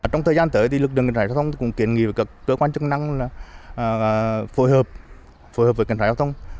trong thời gian tới lực lượng cảnh sát giao thông cũng kiến nghị với các cơ quan chức năng phối hợp với cảnh sát giao thông